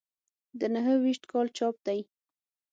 د نهه ویشت کال چاپ دی.